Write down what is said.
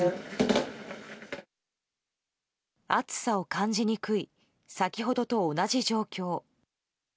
暑さを感じにくい先ほどと同じ状況。